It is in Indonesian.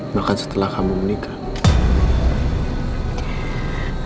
bahkan setelah kamu menikah